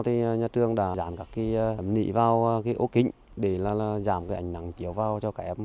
thì nhà trường đã dán các phong học